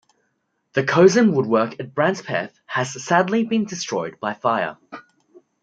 The Cosin woodwork at Brancepeth has sadly been destroyed by fire.